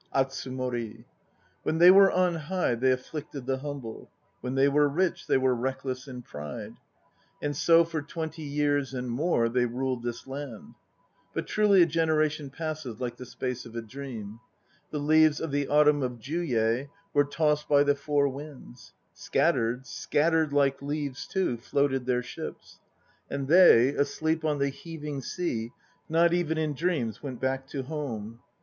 ATSUMORL When they were on high they afflicted the humble; When they were rich they were reckless in pride. And so for twenty years and more They ruled this land. But truly a generation passes like the space of a dream. The leaves of the autumn of Juyei * Were tossed by the four winds; Scattered, scattered (like leaves too) floated their ships. And they, asleep on the heaving sea, not even in dreams Went back to home.